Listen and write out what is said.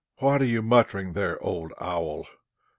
"What are you muttering there, old owl?"